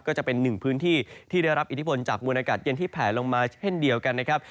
ก็จะเป็นหนึ่งพื้นที่ที่ได้รับอิทธิพลจากมวลอากาศเย็นที่แผลลงมาเช่นเดียวกันนะครับ